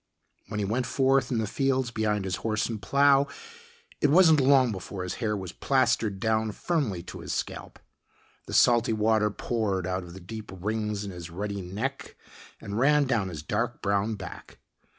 When he went forth in the fields behind his horse and plow, it wasn't long before his hair was plastered down firmly to his scalp. The salty water poured out of the deep rings in his ruddy neck and ran down his dark brown back.